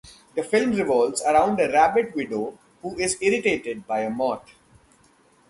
The film revolves around a rabbit widow who is irritated by a moth.